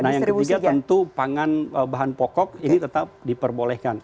nah yang ketiga tentu pangan bahan pokok ini tetap diperbolehkan